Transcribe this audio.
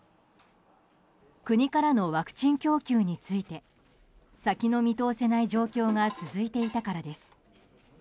国からのワクチン供給について先の見通せない状況が続いていたからです。